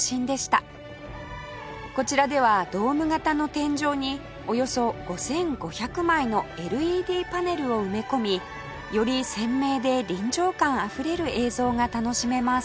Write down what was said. こちらではドーム形の天井におよそ５５００枚の ＬＥＤ パネルを埋め込みより鮮明で臨場感あふれる映像が楽しめます